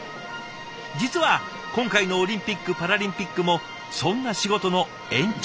実は今回のオリンピック・パラリンピックもそんな仕事の延長線。